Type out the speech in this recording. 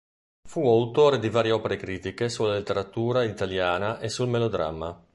Fu autore di varie opere critiche sulla letteratura italiana e sul melodramma.